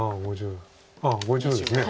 ああ５０ですね。